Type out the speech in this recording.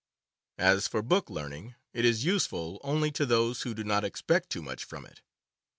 As for book learning, it is useful only to those who do not expect too much from it.